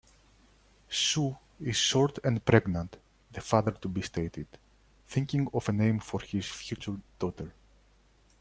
"Sue is short and pregnant", the father-to-be stated, thinking of a name for his future daughter.